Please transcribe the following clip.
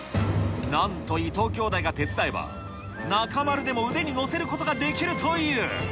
なんと伊藤きょうだいが手伝えば、中丸でも腕に乗せることができるという。